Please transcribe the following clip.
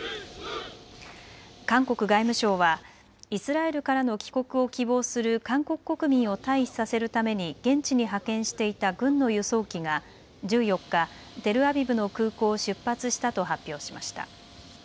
韓国外務省はイスラエルからの帰国を希望する韓国国民を退避させるために現地に派遣していた軍の輸送機が１４日、テルアビブの空港を出発したと発表しました。